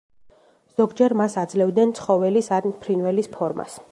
ზოგჯერ მას აძლევდნენ ცხოველის ან ფრინველის ფორმას.